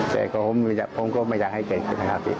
แต่ผมก็ไม่อยากให้เจกันครับ